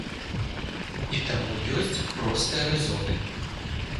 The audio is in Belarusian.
І таму ёсць простыя рэзоны.